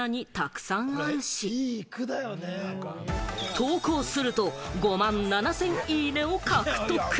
投稿すると、５万７０００いいねを獲得。